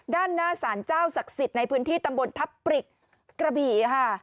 ด้านหน้าสารเจ้าศักดิ์สิทธิ์ในพื้นที่ตำบลทับปริกกระบี่ค่ะ